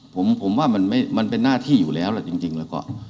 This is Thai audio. ผมว่ามันเป็นหน้าที่อยู่แล้วแหละจริงแล้วก็